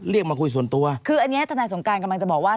มาคุยส่วนตัวคืออันนี้ทนายสงการกำลังจะบอกว่า